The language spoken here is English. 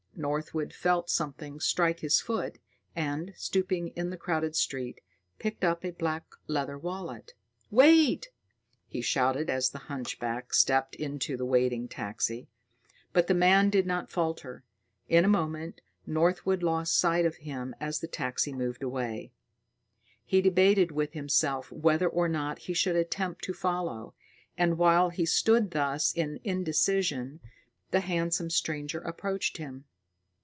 Northwood felt something strike his foot, and, stooping in the crowded street, picked up a black leather wallet. "Wait!" he shouted as the hunchback stepped into the waiting taxi. But the man did not falter. In a moment, Northwood lost sight of him as the taxi moved away. He debated with himself whether or not he should attempt to follow. And while he stood thus in indecision, the handsome stranger approached him.